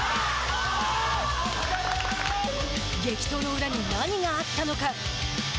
激闘の裏に何があったのか。